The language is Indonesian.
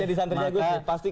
tadi tadi mau ngomong